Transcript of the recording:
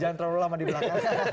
selamat di belakang